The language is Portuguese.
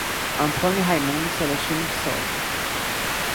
Antônio Raimundo Celestino de Souza